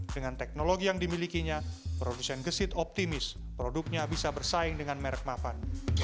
dengan teknologi yang dimilikinya produsen gesit optimis produknya bisa bersaing dengan merek mapan